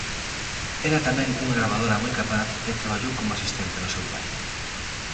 Era tamén unha gravadora moi capaz e traballou como asistente do seu pai.